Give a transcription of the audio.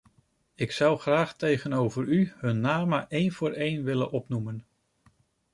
Ik zou graag tegenover u hun namen een voor een willen opnoemen.